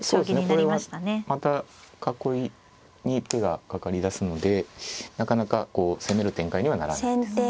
これはまた囲いに手がかかり出すのでなかなかこう攻める展開にはならないです。